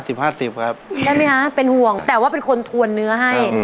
ได้ไหมคะเป็นห่วงแต่ว่าเป็นคนทวนเนื้อให้